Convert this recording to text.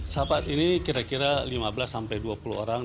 sahabat ini kira kira lima belas sampai dua puluh orang